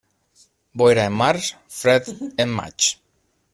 Boira en març, fred en maig.